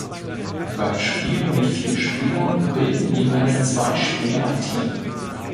Beim Spiel mit vier Spielern bilden jeweils zwei Spieler ein Team.